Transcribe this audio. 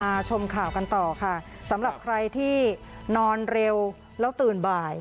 ชมข่าวกันต่อค่ะสำหรับใครที่นอนเร็วแล้วตื่นบ่าย